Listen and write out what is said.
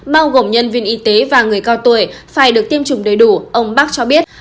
bao gồm nhân viên y tế và người cao tuổi phải được tiêm chủng đầy đủ ông bắc cho biết